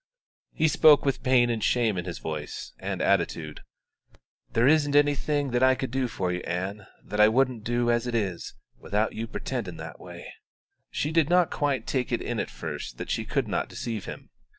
He spoke with pain and shame in his voice and attitude. "There isn't anything that I could do for you, Ann, that I wouldn't do as it is, without you pretending that way." She did not quite take it in at first that she could not deceive him.